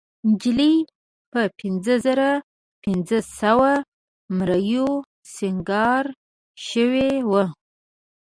نجلۍ په پينځهزرهپینځهسوو مریو سینګار شوې وه.